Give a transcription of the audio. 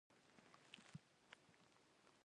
ټوله خیمه به تقریباً سل متره مربع وي.